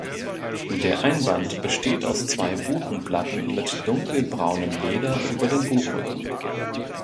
Der Einband besteht aus zwei Buchenplatten mit dunkelbraunem Leder über dem Buchrücken.